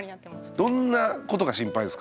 どんなことが心配ですか？